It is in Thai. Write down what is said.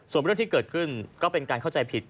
ส่วนเรื่องที่เกิดขึ้นก็เป็นการเข้าใจผิด